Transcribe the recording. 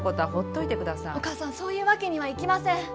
お母さんそういうわけにはいきません。